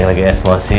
gak ada lagi esmosi